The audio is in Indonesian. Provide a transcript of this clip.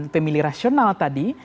pemilih rasional tadi